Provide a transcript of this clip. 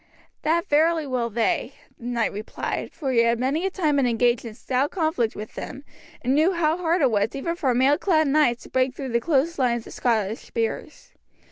"That verily will they," the knight replied, for he had many a time been engaged in stout conflict with them, and knew how hard it was even for mail clad knights to break through the close lines of Scottish spears.